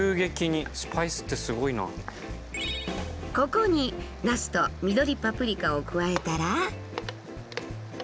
ここになすと緑パプリカを加えたら。